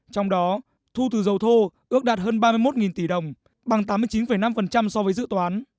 trong đó thu từ dầu thô ước đạt hơn ba mươi một tỷ đồng bằng tám mươi chín năm so với dự toán